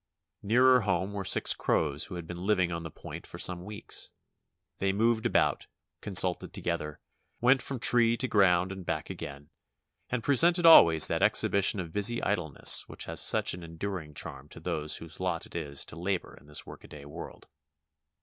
Nearer home were six crows who had been living on the point for some weeks. They moved about; consulted together, went from tree to ground and back again, and presented always that ex hibition of busy idleness which has such an enduring charm to those whose lot it is to labor in this workaday world.